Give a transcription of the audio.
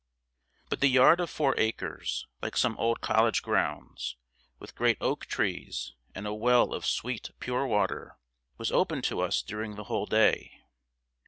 ] But the yard of four acres, like some old college grounds, with great oak trees and a well of sweet, pure water, was open to us during the whole day.